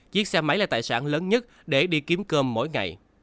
chiếc xe máy là tài sản lớn nhất để đi kiếm cơm mỗi ngày